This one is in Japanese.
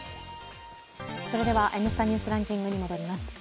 それでは「Ｎスタ・ニュースランキング」に戻ります。